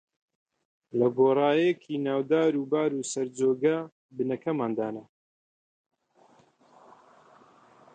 لە گۆڕایییەکی ناو دار و بار و سەر جۆگە، بنکەمان دانا